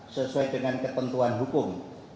sesuai dengan ketentuan hukum